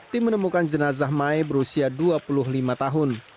tim menemukan jenazah mai berusia dua puluh lima tahun